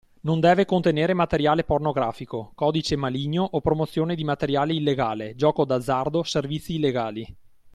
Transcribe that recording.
Non deve contenere materiale pornografico, codice maligno o promozione di materiale illegale/gioco d’azzardo/servizi illegali.